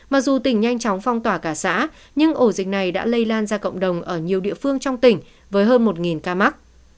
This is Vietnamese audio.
mặc dù tỉnh nhanh chóng phong tỏa cả xã nhưng ổ dịch này đã lây lan ra cộng đồng ở nhiều địa phương trong tỉnh với hơn một ca mắc